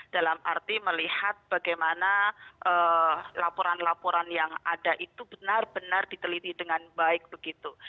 dalam arti melihat bagaimana laporan laporan yang ada itu benar benar diteliti dengan baik begitu